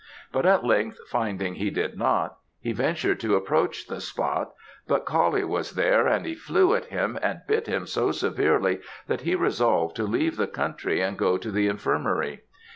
But at length finding he did not, he ventured to approach the spot; but Coullie was there and he flew at him and bit him so severely that he resolved to leave the country and go to the Infirmary.